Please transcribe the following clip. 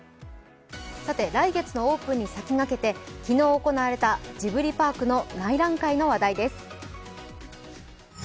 来月のオープンに先駆けて昨日行われたジブリパークの内覧会の話題です。